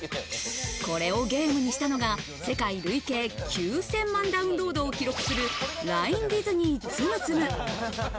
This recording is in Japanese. これをゲームにしたのが、世界累計９０００万ダウンロードを記録する、「ラインディズニーツムツム」。